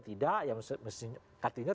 tidak ya artinya